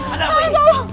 ada apa ini